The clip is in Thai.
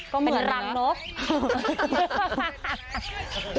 ก็เหมือนเหรอเป็นรังเนอะ